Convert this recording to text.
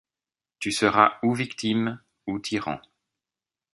Tu seras ou victime ou tyran.